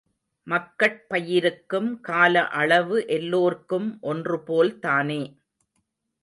மக்கட் பயிருக்கும் கால அளவு எல்லோர்க்கும் ஒன்றுபோல் தானே.